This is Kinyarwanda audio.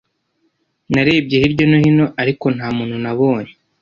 Narebye hirya no hino, ariko nta muntu nabonye.